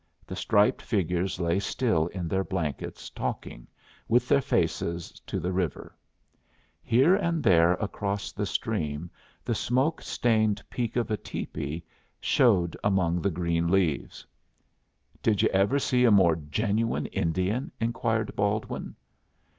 The striped figures lay still in their blankets, talking, with their faces to the river. Here and there across the stream the smoke stained peak of a tepee showed among the green leaves. "Did you ever see a more genuine Indian?" inquired Baldwin.